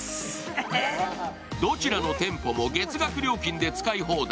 どちらの店舗も月額料金で使い放題。